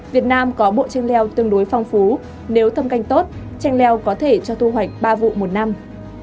việt nam có bộ trang leo tương đối phong phú nếu thâm canh tốt chanh leo có thể cho thu hoạch ba vụ một năm